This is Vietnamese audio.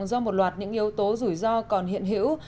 do một loạt những yếu tố rủi ro còn hiện hữu